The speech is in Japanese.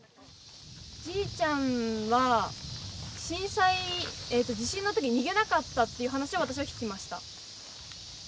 じいちゃんは震災地震の時逃げなかったっていう話を私は聞きました。